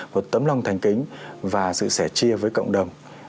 một tấm lòng thành kính và sự sẻ chia với cộng đồng